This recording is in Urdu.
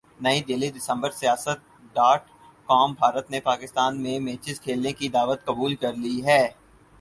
نئی دہلی دسمبر سیاست ڈاٹ کام بھارت نے پاکستان میں میچز کھیلنے کی دعوت قبول کر لی ہے